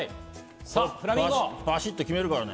バシッと決めるからね！